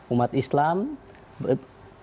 umat islam berkumpul di istana